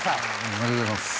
ありがとうございます。